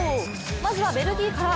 まずはベルギーから。